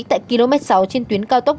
tại km sáu trên tuyến cao tốc